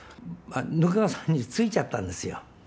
額賀さんについちゃったんですよ。